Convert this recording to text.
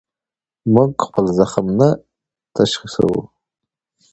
موږ خپل زخم نه تشخیصوو.